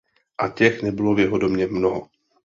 A těch nebylo v jeho době mnoho.